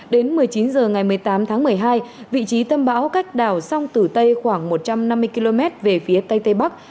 đến một mươi chín h ngày một mươi tám tháng một mươi hai vị trí tâm bão cách đảo sông tử tây khoảng một trăm năm mươi km về phía tây tây bắc